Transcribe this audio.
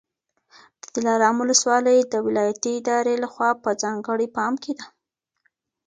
د دلارام ولسوالي د ولایتي ادارې لخوا په ځانګړي پام کي ده.